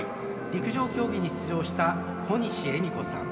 陸上競技に出場した小西恵美子さん。